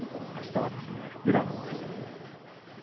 あしたは宇良です。